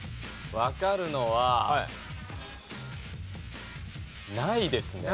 わかるのはないですね。